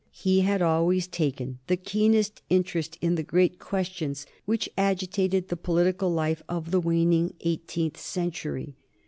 He had always taken the keenest interest in the great questions which agitated the political life of the waning eighteenth century.